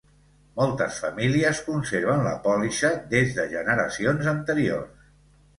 Moltes famílies conserven la pòlissa des de generacions anteriors.